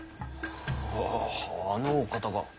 へぇあのお方が。